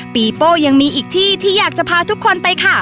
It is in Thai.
โป้ยังมีอีกที่ที่อยากจะพาทุกคนไปค่ะ